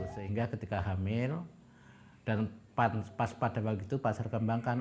sehingga ketika hamil dan pas pada waktu itu pasar kembangkan